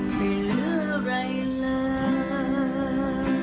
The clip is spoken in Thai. ไม่เหลืออะไรเลย